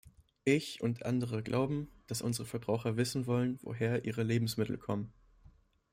Ich und andere glauben, dass unsere Verbraucher wissen wollen, woher ihre Lebensmittel kommen.